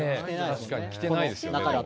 確かに着てないですよね。